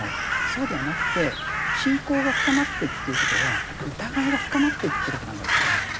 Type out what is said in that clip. そうではなくて信仰が深まってくということはやっぱ疑いが深まってくってことなんだろうと思うんですよ。